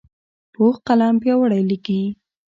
پوخ قلم پیاوړی لیکي